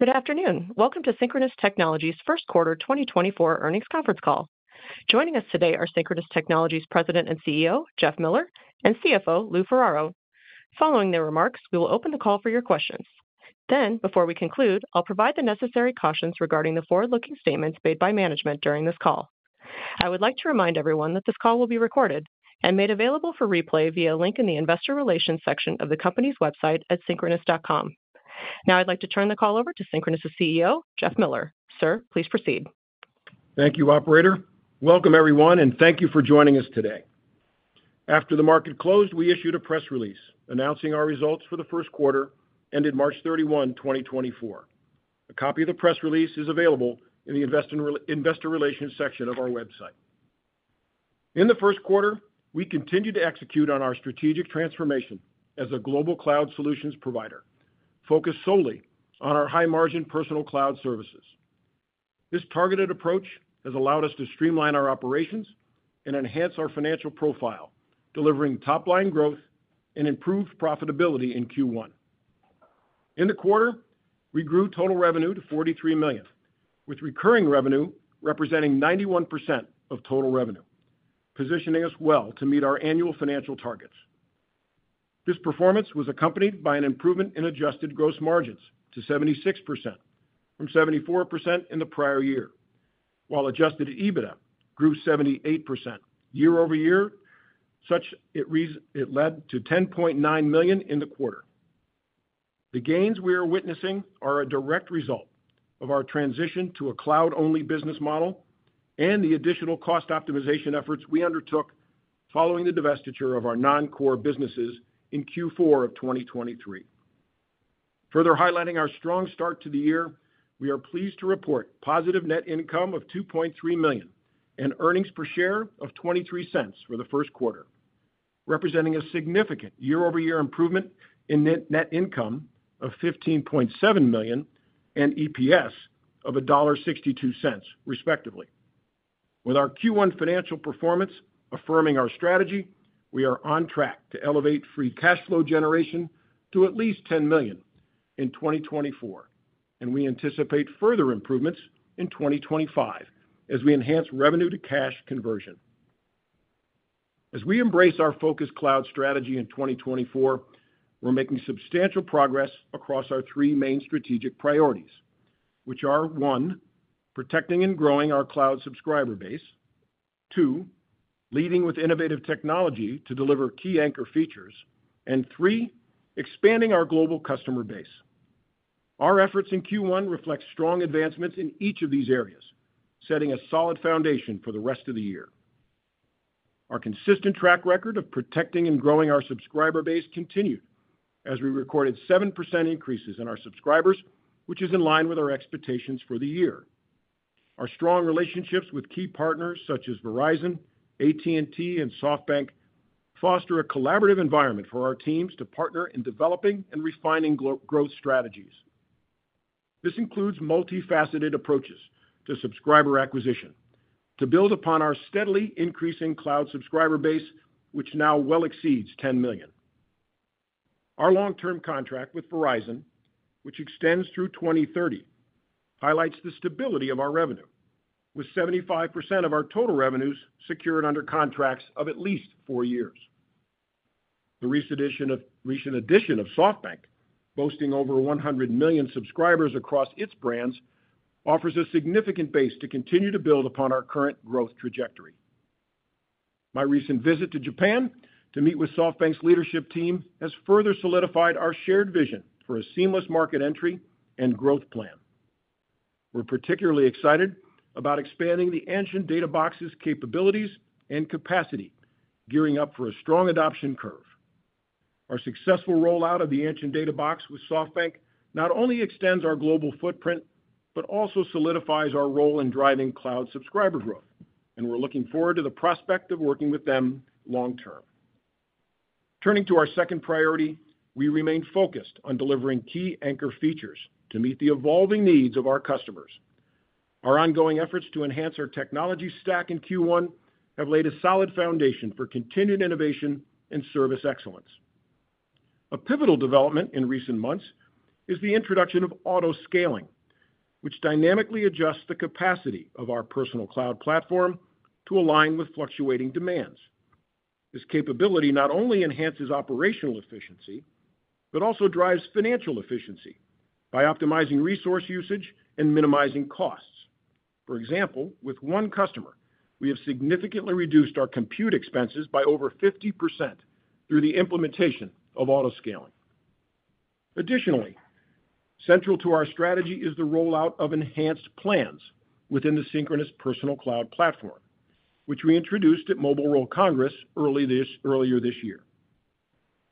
Good afternoon. Welcome to Synchronoss Technologies' first quarter 2024 earnings conference call. Joining us today are Synchronoss Technologies President and CEO, Jeff Miller, and CFO, Lou Ferraro. Following their remarks, we will open the call for your questions. Then, before we conclude, I'll provide the necessary cautions regarding the forward-looking statements made by management during this call. I would like to remind everyone that this call will be recorded and made available for replay via a link in the investor relations section of the company's website at synchronoss.com. Now I'd like to turn the call over to Synchronoss' CEO, Jeff Miller. Sir, please proceed. Thank you, operator. Welcome, everyone, and thank you for joining us today. After the market closed, we issued a press release announcing our results for the first quarter, ended March 31, 2024. A copy of the press release is available in the investor relations section of our website. In the first quarter, we continued to execute on our strategic transformation as a global cloud solutions provider, focused solely on our high-margin personal cloud services. This targeted approach has allowed us to streamline our operations and enhance our financial profile, delivering top-line growth and improved profitability in Q1. In the quarter, we grew total revenue to $43 million, with recurring revenue representing 91% of total revenue, positioning us well to meet our annual financial targets. This performance was accompanied by an improvement in adjusted gross margins to 76% from 74% in the prior year, while Adjusted EBITDA grew 78% year-over-year. It led to $10.9 million in the quarter. The gains we are witnessing are a direct result of our transition to a cloud-only business model and the additional cost optimization efforts we undertook following the divestiture of our non-core businesses in Q4 of 2023. Further highlighting our strong start to the year, we are pleased to report positive net income of $2.3 million and earnings per share of $0.23 for the first quarter, representing a significant year-over-year improvement in net income of $15.7 million and EPS of $1.62, respectively. With our Q1 financial performance affirming our strategy, we are on track to elevate free cash flow generation to at least $10 million in 2024, and we anticipate further improvements in 2025 as we enhance revenue to cash conversion. As we embrace our focused cloud strategy in 2024, we're making substantial progress across our three main strategic priorities, which are: one, protecting and growing our cloud subscriber base; two, leading with innovative technology to deliver key anchor features; and three, expanding our global customer base. Our efforts in Q1 reflect strong advancements in each of these areas, setting a solid foundation for the rest of the year. Our consistent track record of protecting and growing our subscriber base continued as we recorded 7% increases in our subscribers, which is in line with our expectations for the year. Our strong relationships with key partners such as Verizon, AT&T, and SoftBank foster a collaborative environment for our teams to partner in developing and refining growth strategies. This includes multifaceted approaches to subscriber acquisition to build upon our steadily increasing cloud subscriber base, which now well exceeds 10 million. Our long-term contract with Verizon, which extends through 2030, highlights the stability of our revenue, with 75% of our total revenues secured under contracts of at least four years. The recent addition of SoftBank, boasting over 100 million subscribers across its brands, offers a significant base to continue to build upon our current growth trajectory. My recent visit to Japan to meet with SoftBank's leadership team has further solidified our shared vision for a seamless market entry and growth plan. We're particularly excited about expanding the Anshin Data Box's capabilities and capacity, gearing up for a strong adoption curve. Our successful rollout of the Anshin Data Box with SoftBank not only extends our global footprint, but also solidifies our role in driving cloud subscriber growth, and we're looking forward to the prospect of working with them long term. Turning to our second priority, we remain focused on delivering key anchor features to meet the evolving needs of our customers. Our ongoing efforts to enhance our technology stack in Q1 have laid a solid foundation for continued innovation and service excellence. A pivotal development in recent months is the introduction of auto-scaling, which dynamically adjusts the capacity of our personal cloud platform to align with fluctuating demands. This capability not only enhances operational efficiency, but also drives financial efficiency by optimizing resource usage and minimizing costs. For example, with one customer, we have significantly reduced our compute expenses by over 50% through the implementation of Auto-scaling. Additionally, central to our strategy is the rollout of enhanced plans within the Synchronoss Personal Cloud platform, which we introduced at Mobile World Congress earlier this year.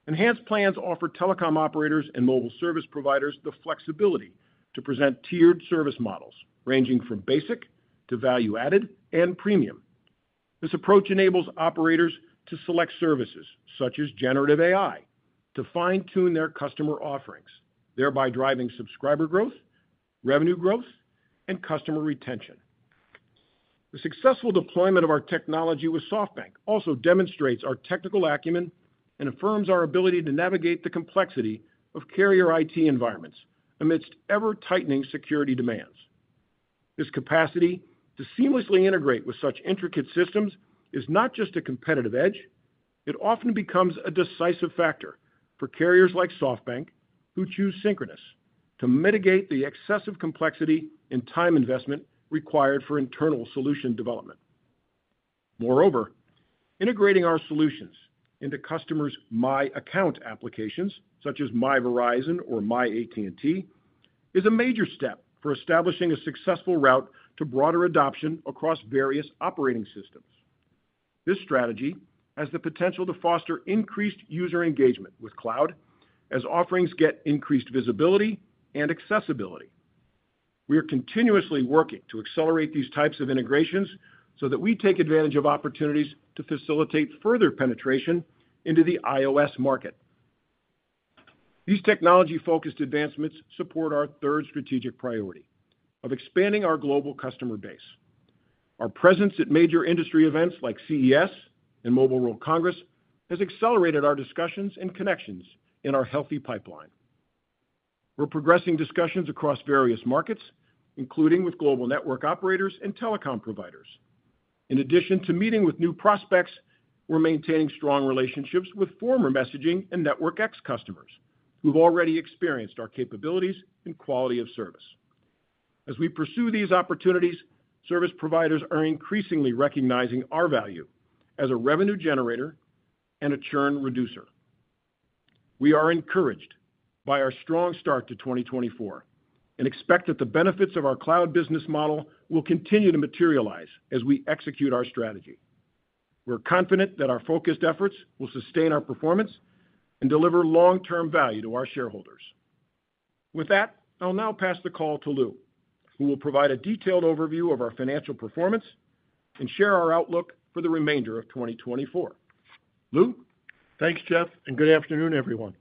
Enhanced plans offer telecom operators and mobile service providers the flexibility to present tiered service models, ranging from basic to value-added and premium. This approach enables operators to select services such as generative AI to fine-tune their customer offerings, thereby driving subscriber growth, revenue growth, and customer retention. The successful deployment of our technology with SoftBank also demonstrates our technical acumen and affirms our ability to navigate the complexity of carrier IT environments amidst ever-tightening security demands. This capacity to seamlessly integrate with such intricate systems is not just a competitive edge, it often becomes a decisive factor for carriers like SoftBank, who choose Synchronoss to mitigate the excessive complexity and time investment required for internal solution development. Moreover, integrating our solutions into customers' My Account applications, such as My Verizon or My AT&T, is a major step for establishing a successful route to broader adoption across various operating systems. This strategy has the potential to foster increased user engagement with cloud as offerings get increased visibility and accessibility. We are continuously working to accelerate these types of integrations so that we take advantage of opportunities to facilitate further penetration into the iOS market. These technology-focused advancements support our third strategic priority of expanding our global customer base. Our presence at major industry events like CES and Mobile World Congress has accelerated our discussions and connections in our healthy pipeline. We're progressing discussions across various markets, including with global network operators and telecom providers. In addition to meeting with new prospects, we're maintaining strong relationships with former messaging and NetworkX customers, who've already experienced our capabilities and quality of service. As we pursue these opportunities, service providers are increasingly recognizing our value as a revenue generator and a churn reducer. We are encouraged by our strong start to 2024, and expect that the benefits of our cloud business model will continue to materialize as we execute our strategy. We're confident that our focused efforts will sustain our performance and deliver long-term value to our shareholders. With that, I'll now pass the call to Lou, who will provide a detailed overview of our financial performance and share our outlook for the remainder of 2024. Lou? Thanks, Jeff, and good afternoon, everyone.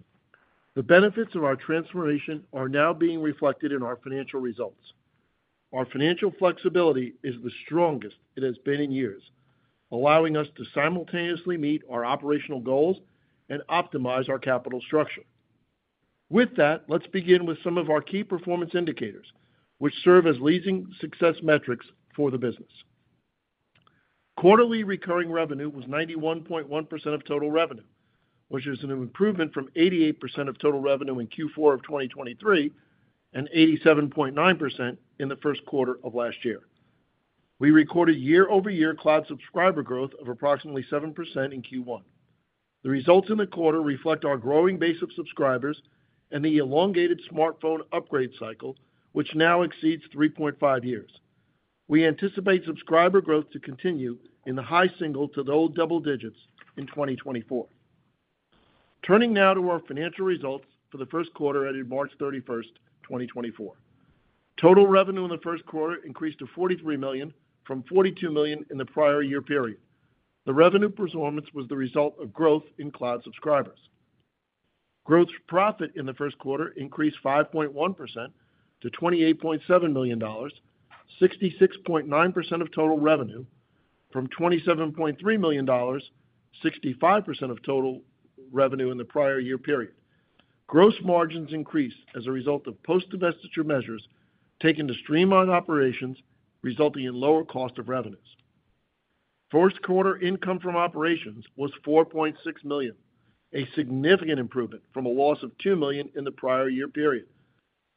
The benefits of our transformation are now being reflected in our financial results. Our financial flexibility is the strongest it has been in years, allowing us to simultaneously meet our operational goals and optimize our capital structure. With that, let's begin with some of our key performance indicators, which serve as leading success metrics for the business. Quarterly recurring revenue was 91.1% of total revenue, which is an improvement from 88% of total revenue in Q4 of 2023, and 87.9% in the first quarter of last year. We recorded year-over-year cloud subscriber growth of approximately 7% in Q1. The results in the quarter reflect our growing base of subscribers and the elongated smartphone upgrade cycle, which now exceeds 3.5 years. We anticipate subscriber growth to continue in the high single to low double digits in 2024. Turning now to our financial results for the first quarter, ended March 31, 2024. Total revenue in the first quarter increased to $43 million from $42 million in the prior year period. The revenue performance was the result of growth in cloud subscribers. Gross profit in the first quarter increased 5.1% to $28.7 million, 66.9% of total revenue, from $27.3 million, 65% of total revenue in the prior year period. Gross margins increased as a result of post-divestiture measures taken to streamline operations, resulting in lower cost of revenues. First quarter income from operations was $4.6 million, a significant improvement from a loss of $2 million in the prior year period.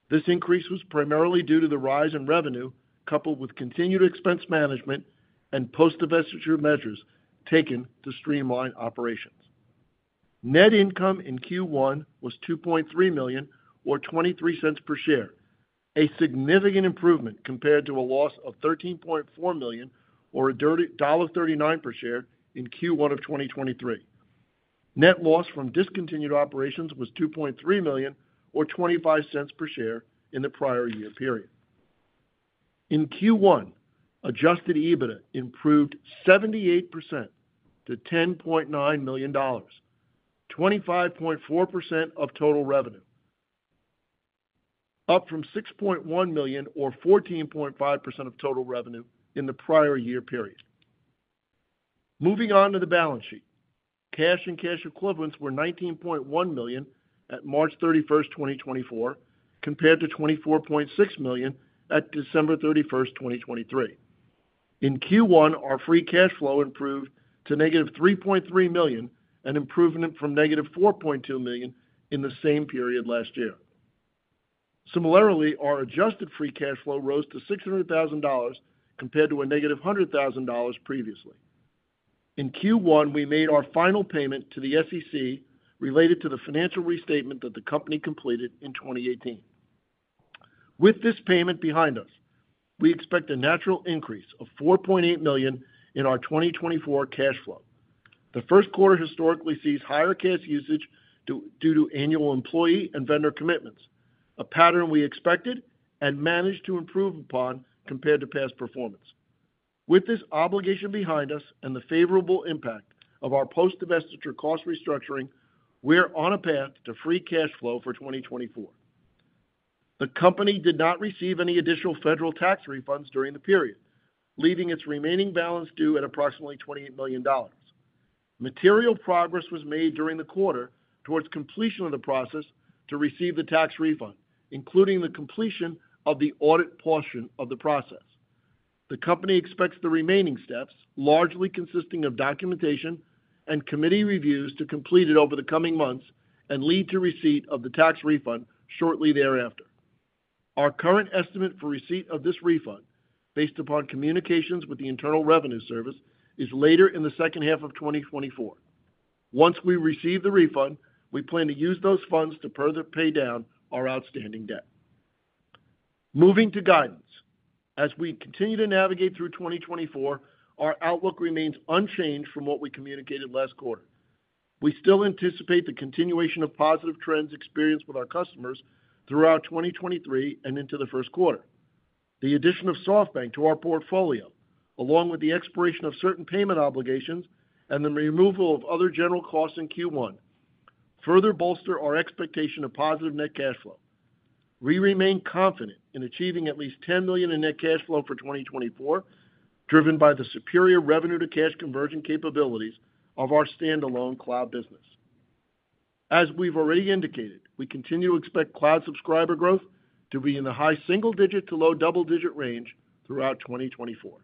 This increase was primarily due to the rise in revenue, coupled with continued expense management and post-divestiture measures taken to streamline operations. Net income in Q1 was $2.3 million, or $0.23 per share, a significant improvement compared to a loss of $13.4 million, or -$1.39 per share in Q1 of 2023. Net loss from discontinued operations was $2.3 million, or -$0.25 per share in the prior year period. In Q1, Adjusted EBITDA improved 78% to $10.9 million, 25.4% of total revenue, up from $6.1 million, or 14.5% of total revenue in the prior year period. Moving on to the balance sheet. Cash and cash equivalents were $19.1 million at March 31, 2024, compared to $24.6 million at December 31, 2023. In Q1, our free cash flow improved to -$3.3 million, an improvement from -$4.2 million in the same period last year. Similarly, our adjusted free cash flow rose to $600,000, compared to -$100,000 previously. In Q1, we made our final payment to the SEC related to the financial restatement that the company completed in 2018. With this payment behind us, we expect a natural increase of $4.8 million in our 2024 cash flow. The first quarter historically sees higher cash usage due to annual employee and vendor commitments, a pattern we expected and managed to improve upon compared to past performance. With this obligation behind us and the favorable impact of our post-divestiture cost restructuring, we are on a path to free cash flow for 2024. The company did not receive any additional federal tax refunds during the period, leaving its remaining balance due at approximately $28 million. Material progress was made during the quarter towards completion of the process to receive the tax refund, including the completion of the audit portion of the process. The company expects the remaining steps, largely consisting of documentation and committee reviews, to complete it over the coming months and lead to receipt of the tax refund shortly thereafter. Our current estimate for receipt of this refund, based upon communications with the Internal Revenue Service, is later in the second half of 2024. Once we receive the refund, we plan to use those funds to further pay down our outstanding debt. Moving to guidance. As we continue to navigate through 2024, our outlook remains unchanged from what we communicated last quarter. We still anticipate the continuation of positive trends experienced with our customers throughout 2023 and into the first quarter. The addition of SoftBank to our portfolio, along with the expiration of certain payment obligations and the removal of other general costs in Q1, further bolster our expectation of positive net cash flow. We remain confident in achieving at least $10 million in net cash flow for 2024, driven by the superior revenue to cash conversion capabilities of our standalone cloud business. As we've already indicated, we continue to expect cloud subscriber growth to be in the high single-digit to low double-digit range throughout 2024.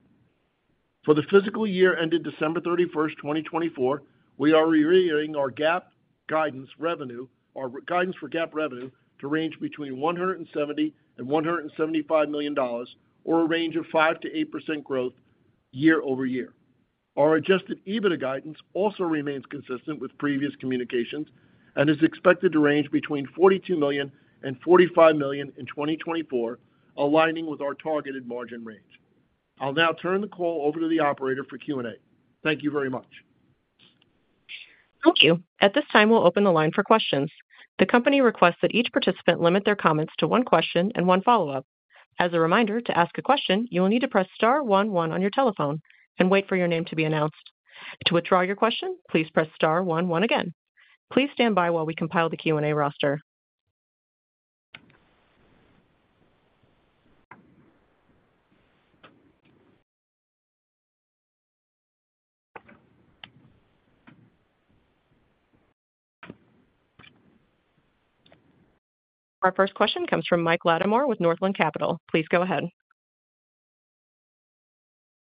For the fiscal year ended December 31, 2024, we are reiterating our GAAP guidance revenue, our guidance for GAAP revenue to range between $170 million-$175 million, or a range of 5%-8% growth year-over-year. Our adjusted EBITDA guidance also remains consistent with previous communications and is expected to range between $42 million-$45 million in 2024, aligning with our targeted margin range. I'll now turn the call over to the operator for Q&A. Thank you very much. Thank you. At this time, we'll open the line for questions. The company requests that each participant limit their comments to one question and one follow-up. As a reminder, to ask a question, you will need to press star one one on your telephone and wait for your name to be announced. To withdraw your question, please press star one one again. Please stand by while we compile the Q&A roster. Our first question comes from Mike Latimore with Northland Capital. Please go ahead.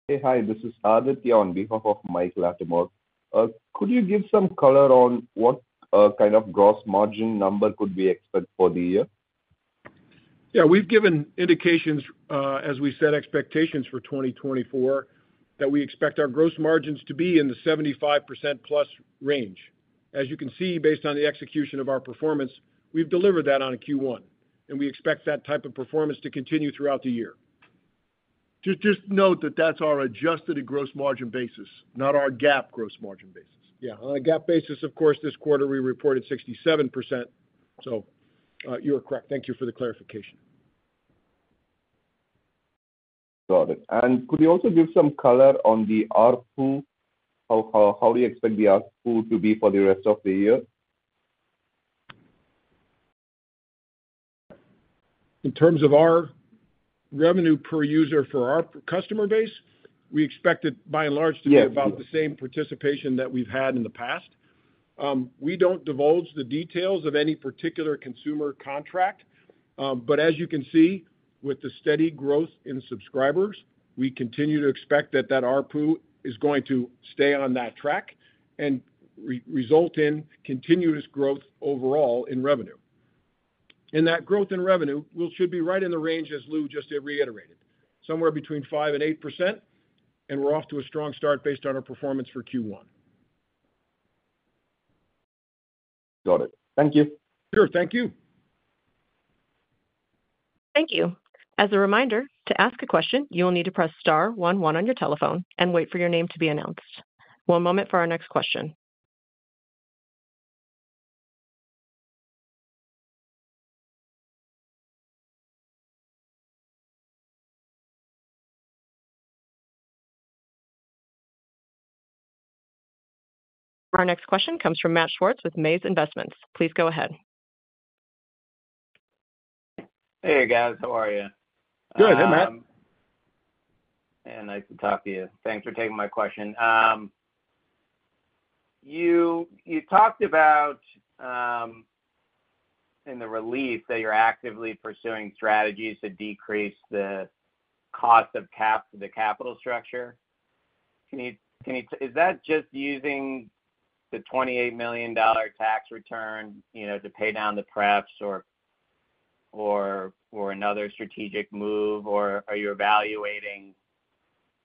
Hey, hi, this is Aditya on behalf of Mike Latimore. Could you give some color on what kind of gross margin number could we expect for the year? Yeah, we've given indications, as we set expectations for 2024, that we expect our gross margins to be in the 75% plus range. As you can see, based on the execution of our performance, we've delivered that on a Q1, and we expect that type of performance to continue throughout the year. Just, just note that that's our adjusted and gross margin basis, not our GAAP gross margin basis. Yeah. On a GAAP basis, of course, this quarter we reported 67%, so you are correct. Thank you for the clarification. Got it. Could you also give some color on the ARPU? How do you expect the ARPU to be for the rest of the year? In terms of our revenue per user for our customer base, we expect it, by and large, to be about the same participation that we've had in the past. We don't divulge the details of any particular consumer contract, but as you can see, with the steady growth in subscribers, we continue to expect that that ARPU is going to stay on that track and result in continuous growth overall in revenue. And that growth in revenue should be right in the range as Lou just reiterated, somewhere between 5%-8%, and we're off to a strong start based on our performance for Q1. Got it. Thank you. Sure. Thank you. Thank you. As a reminder, to ask a question, you will need to press star one one on your telephone and wait for your name to be announced. One moment for our next question. Our next question comes from Matt Schwartz with MAZ Investments. Please go ahead. Hey there, guys. How are you? Good. Hey, Matt. Nice to talk to you. Thanks for taking my question. You talked about, in the release, that you're actively pursuing strategies to decrease the cost of cap to the capital structure. Can you? Is that just using the $28 million tax return, you know, to pay down the PREPs or another strategic move, or are you evaluating,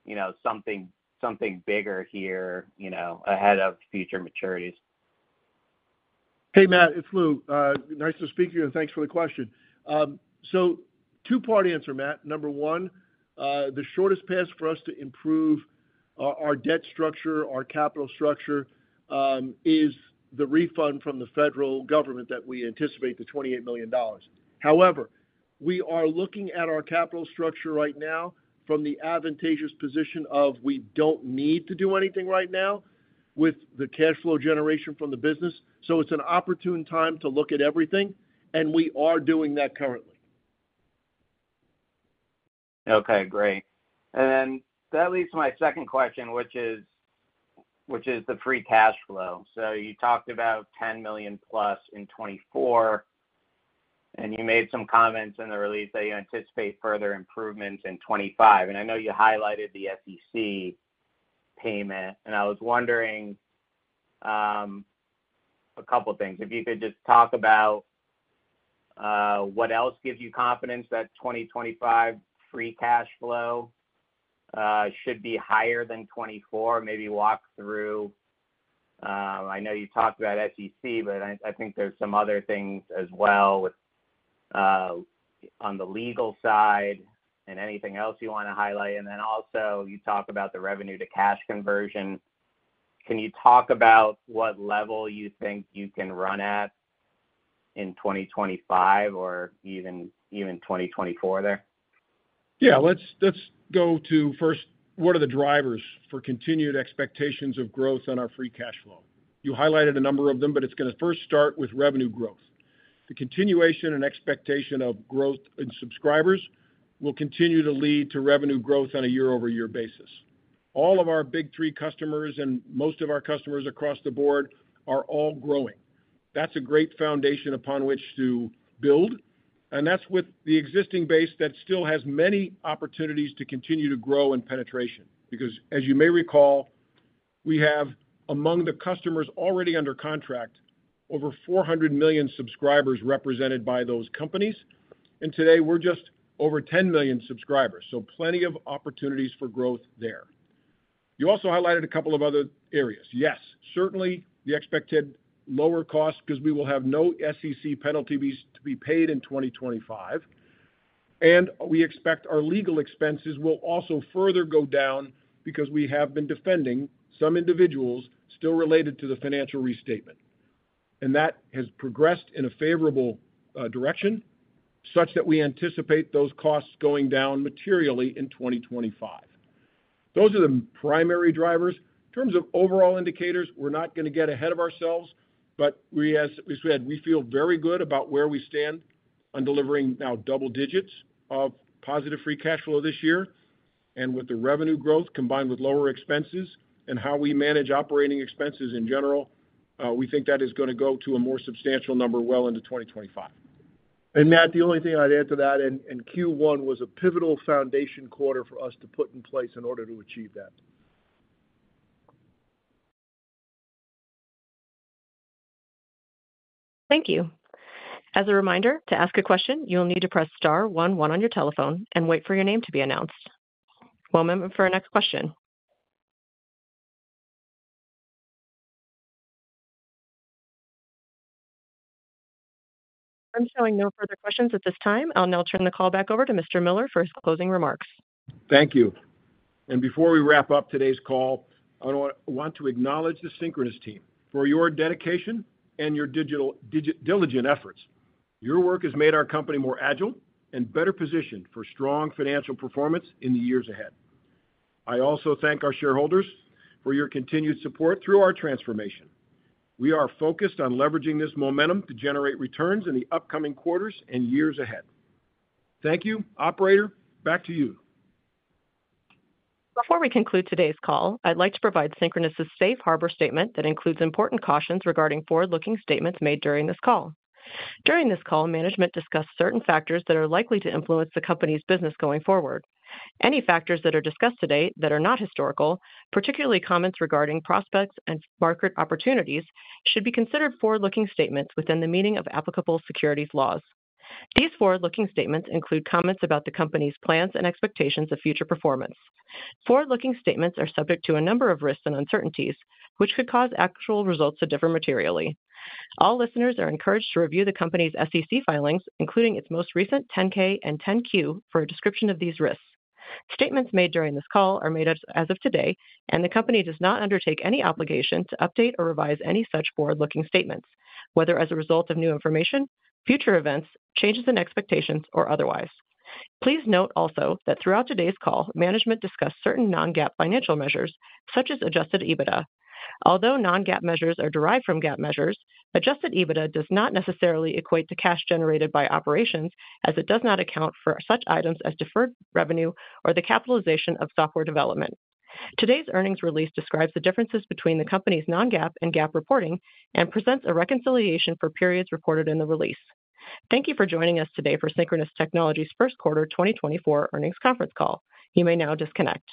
you know, something bigger here, you know, ahead of future maturities? Hey, Matt, it's Lou. Nice to speak to you, and thanks for the question. So two-part answer, Matt. Number one, the shortest path for us to improve our debt structure, our capital structure, is the refund from the federal government that we anticipate, the $28 million. However, we are looking at our capital structure right now from the advantageous position of we don't need to do anything right now with the cash flow generation from the business, so it's an opportune time to look at everything, and we are doing that currently. Okay, great. And then that leads to my second question, which is the free cash flow. So you talked about $10 million+ in 2024, and you made some comments in the release that you anticipate further improvements in 2025. And I know you highlighted the SEC payment, and I was wondering, a couple things. If you could just talk about what else gives you confidence that 2025 free cash flow should be higher than 2024? Maybe walk through, I know you talked about SEC, but I, I think there's some other things as well with, on the legal side and anything else you wanna highlight. And then also, you talked about the revenue to cash conversion. Can you talk about what level you think you can run at in 2025 or even, even 2024 there? Yeah. Let's, let's go to first, what are the drivers for continued expectations of growth on our free cash flow? You highlighted a number of them, but it's gonna first start with revenue growth. The continuation and expectation of growth in subscribers will continue to lead to revenue growth on a year-over-year basis. All of our big three customers and most of our customers across the board are all growing. That's a great foundation upon which to build, and that's with the existing base that still has many opportunities to continue to grow in penetration. Because as you may recall, we have, among the customers already under contract, over 400 million subscribers represented by those companies, and today we're just over 10 million subscribers, so plenty of opportunities for growth there. You also highlighted a couple of other areas. Yes, certainly, we expected lower costs because we will have no SEC penalty fees to be paid in 2025, and we expect our legal expenses will also further go down because we have been defending some individuals still related to the financial restatement. That has progressed in a favorable direction, such that we anticipate those costs going down materially in 2025. Those are the primary drivers. In terms of overall indicators, we're not gonna get ahead of ourselves, but as we said, we feel very good about where we stand on delivering now double digits of positive free cash flow this year, and with the revenue growth, combined with lower expenses and how we manage operating expenses in general, we think that is gonna go to a more substantial number well into 2025. And Matt, the only thing I'd add to that, Q1 was a pivotal foundation quarter for us to put in place in order to achieve that. Thank you. As a reminder, to ask a question, you'll need to press star one one on your telephone and wait for your name to be announced. One moment for our next question. I'm showing no further questions at this time. I'll now turn the call back over to Mr. Miller for his closing remarks. Thank you. Before we wrap up today's call, I want to acknowledge the Synchronoss team for your dedication and your diligent efforts. Your work has made our company more agile and better positioned for strong financial performance in the years ahead. I also thank our shareholders for your continued support through our transformation. We are focused on leveraging this momentum to generate returns in the upcoming quarters and years ahead. Thank you. Operator, back to you. Before we conclude today's call, I'd like to provide Synchronoss' safe harbor statement that includes important cautions regarding forward-looking statements made during this call. During this call, management discussed certain factors that are likely to influence the company's business going forward. Any factors that are discussed today that are not historical, particularly comments regarding prospects and market opportunities, should be considered forward-looking statements within the meaning of applicable securities laws. These forward-looking statements include comments about the company's plans and expectations of future performance. Forward-looking statements are subject to a number of risks and uncertainties, which could cause actual results to differ materially. All listeners are encouraged to review the company's SEC filings, including its most recent 10-K and 10-Q, for a description of these risks. Statements made during this call are made as of today, and the company does not undertake any obligation to update or revise any such forward-looking statements, whether as a result of new information, future events, changes in expectations, or otherwise. Please note also that throughout today's call, management discussed certain non-GAAP financial measures, such as adjusted EBITDA. Although non-GAAP measures are derived from GAAP measures, adjusted EBITDA does not necessarily equate to cash generated by operations, as it does not account for such items as deferred revenue or the capitalization of software development. Today's earnings release describes the differences between the company's non-GAAP and GAAP reporting and presents a reconciliation for periods reported in the release. Thank you for joining us today for Synchronoss Technologies' first quarter 2024 earnings conference call. You may now disconnect.